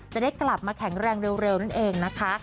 จะได้กลับมาแข็งแรงเร็วนั่นเองนะคะ